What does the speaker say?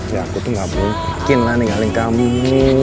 ya aku tuh gak mungkin lah ninggalin kami